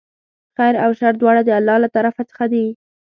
خیر او شر دواړه د الله له طرفه څخه دي.